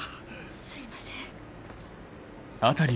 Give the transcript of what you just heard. すいません。